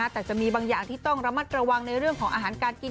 แต่จะมีบางอย่างที่ต้องระมัดระวังในเรื่องของอาหารการกิน